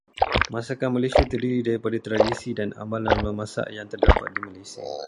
Masakan Malaysia terdiri daripada tradisi dan amalan memasak yang terdapat di Malaysia.